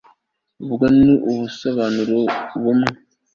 ubwo ni ubusobanuro bumwe